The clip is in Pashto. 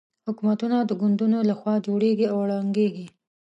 حکومتونه د ګوندونو له خوا جوړېږي او ړنګېږي.